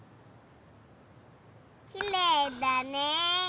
きれいだね。